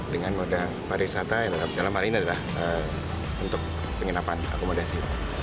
dengan moda pariwisata yang dalam hal ini adalah untuk penginapan akomodasi